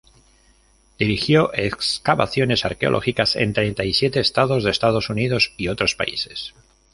Dirigió excavaciones arqueológicas en treinta y siete Estados de Estados Unidos y otros países.